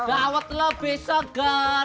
sedawat lebih seger